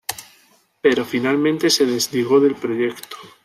Pero finalmente se desligó del proyecto.